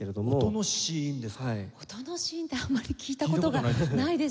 音の子音ってあんまり聞いた事がないですね。